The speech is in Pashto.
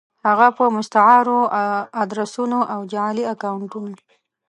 هفه په مستعارو ادرسونو او جعلي اکونټونو